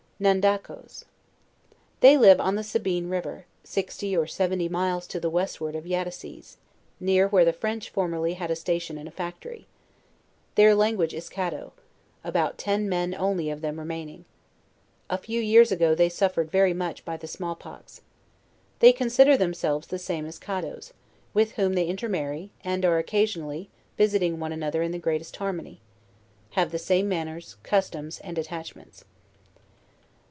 " NANDAKOES. They live on the Sabine river, sixty or sev enty miles to the westward of Yattassees, near where the French formerly had a station and factory. Their language is Caddo: about ten men only of them remaining. A few years ago they suffered very much by the small pox. They consider themselves the same as Caddoes, with whom they intermarry, and are occasionally, visiting one another in the greatest harmony: have the same manners, customs and at tachments.